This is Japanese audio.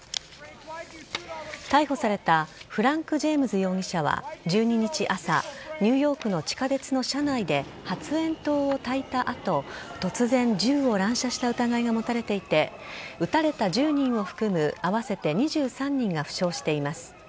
逮捕されたフランク・ジェームズ容疑者は１２日朝ニューヨークの地下鉄の車内で発煙筒をたいた後突然銃を乱射した疑いが持たれていて撃たれた１０人を含む合わせて２３人が負傷しています。